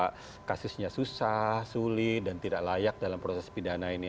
karena kasusnya susah sulit dan tidak layak dalam proses pidana ini